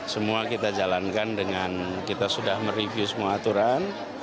semua kita jalankan dengan kita sudah mereview semua aturan